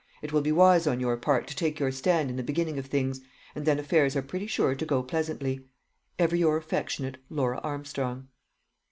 It will be wise on your part to take your stand in the beginning of things, and then affairs are pretty sure to go pleasantly. Ever your affectionate "LAURA ARMSTRONG."